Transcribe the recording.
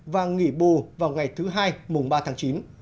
và nghỉ bù vào ngày thứ hai mùng ba tháng chín